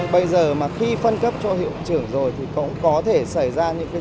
bây giờ mà khi phân cấp cho hiệu trưởng rồi thì cũng có thể xảy ra những cái